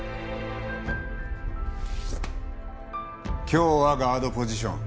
今日はガードポジション。